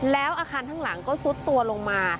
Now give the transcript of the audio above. แล้วอาคารข้างหลังก็ซุดตัวลงมา